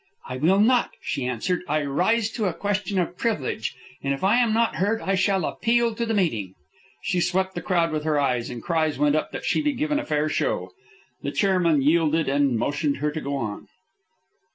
"I will not," she answered. "I rise to a question of privilege, and if I am not heard, I shall appeal to the meeting." She swept the crowd with her eyes, and cries went up that she be given a fair show. The chairman yielded and motioned her to go on.